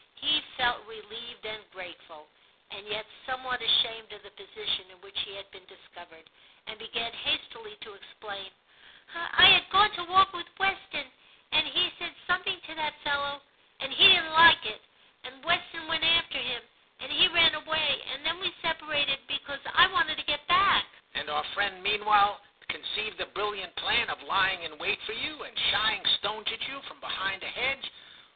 He felt relieved and grateful, and yet somewhat ashamed of the position in which he had been discovered, and began hastily to explain —* I had gone to walk with Weston, and he said something to that fellow, and he didn't like it, and Weston went after him, and he ran away ; and then we separated, because I wanted to get back '* And our friend meanwhile conceived the brilliant plan of lying in wait for you, and shy ing stones at you from behind a hedge.